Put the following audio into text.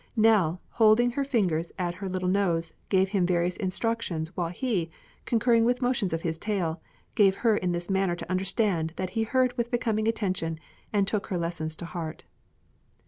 Nell, holding her fingers at her little nose, gave him various instructions, while he, concurring with motions of his tail, gave her in this manner to understand that he heard with becoming attention and took her lessons to heart.